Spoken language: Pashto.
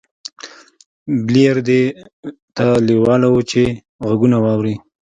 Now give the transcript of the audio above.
بليير دې ته لېوال و چې غږونه واوري.